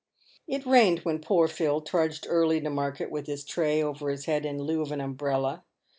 It rained when poor Phil trudged early to market, with his tray over his head in lieu of an umbrella.